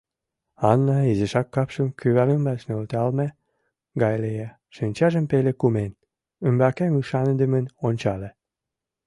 Анна изишак капшым кӱвар ӱмбач нӧлталме гай лие, шинчажым пеле кумен, ӱмбакем ӱшаныдымын ончале.